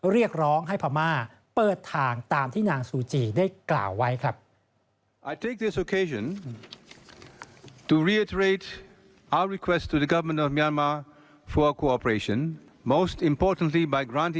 เรียกร้องให้พม่าเปิดทางตามที่นางซูจีได้กล่าวไว้ครับ